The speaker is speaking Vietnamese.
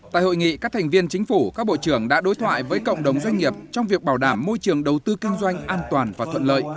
tại hội nghị các thành viên chính phủ các bộ trưởng đã đối thoại với cộng đồng doanh nghiệp trong việc bảo đảm môi trường đầu tư kinh doanh an toàn và thuận lợi